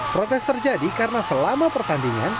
protes terjadi karena selama pertandingan